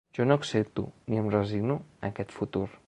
Jo no accepto ni em resigno a aquest futur.